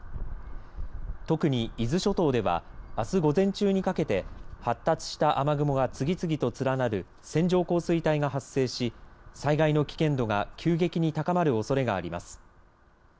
特に、伊豆諸島ではあす午前中にかけて発達した雨雲が次々と連なる線状降水帯が発生し災害の危険度が急激に高まるおそれがあります。